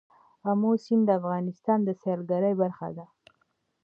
آمو سیند د افغانستان د سیلګرۍ برخه ده.